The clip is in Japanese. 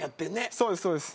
そうですそうです。